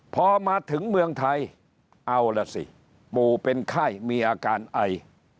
พอมาถึงเมืองไทยเอาล่ะสิปู่เป็นไข้มีอาการไอ